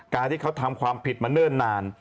การที่เขาทำความผิดมาเนิ่นนาน